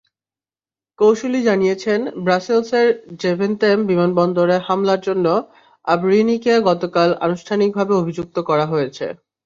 কৌঁসুলি জানিয়েছেন, ব্রাসেলসের জাভেনতেম বিমানবন্দরে হামলার জন্য আবরিনিকে গতকাল আনুষ্ঠানিকভাবে অভিযুক্ত করা হয়েছে।